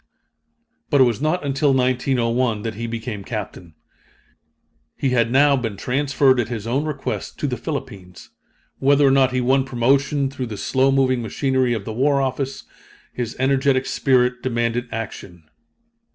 But it was not until 1901 that he became Captain. He had now been transferred at his own request to the Philippines. Whether or not he won promotion through the slow moving machinery of the war office, his energetic spirit demanded action.